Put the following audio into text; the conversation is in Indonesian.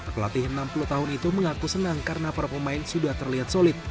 pelatih enam puluh tahun itu mengaku senang karena para pemain sudah terlihat solid